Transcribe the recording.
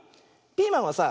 ピーマンはさ